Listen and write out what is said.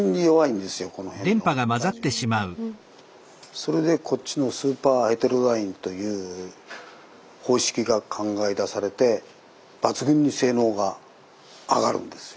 それでこっちの「スーパーヘテロダイン」という方式が考え出されて抜群に性能が上がるんですよ。